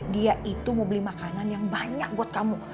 dia itu mau beli makanan yang banyak buat kamu